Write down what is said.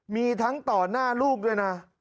มีทั้งต่อหน้าลูกด้วยนะ